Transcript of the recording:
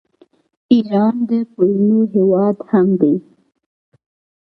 ایران د پلونو هیواد هم دی.